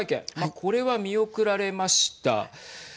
これは見送られました。